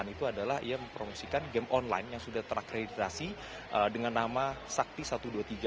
dan itu adalah ia mempromosikan game online yang sudah terakreditasi dengan nama sakti satu